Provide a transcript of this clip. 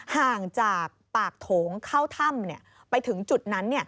ห่างจากปากโถงเข้าถ้ำไปถึงจุดนั้น